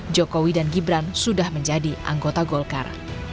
jokowi dan gibran sudah menjadi anggota golkar